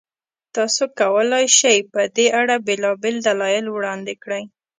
تاسو کولای شئ، په دې اړه بېلابېل دلایل وړاندې کړئ.